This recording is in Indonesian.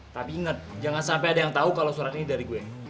tapi ingat jangan sampai ada yang tahu kalau surat ini dari gue